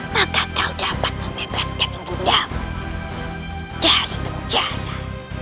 maka kau dapat membebaskan bundamu dari penjara